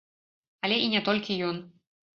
Але і не толькі ён.